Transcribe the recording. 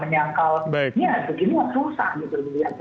ya begini lah susah gitu